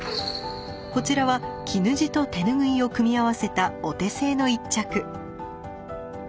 こちらは絹地と手ぬぐいを組み合わせたお手製の一着。